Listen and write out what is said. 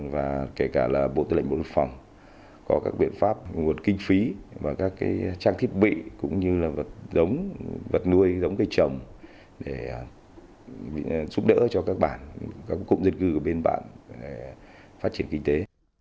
và kể cả là bộ tư lệnh bộ lực phòng có các biện pháp nguồn kinh phí và các trang thiết bị cũng như là vật nuôi vật trồng để giúp đỡ cho các bạn các cụm dân cư bên bạn phát triển kinh tế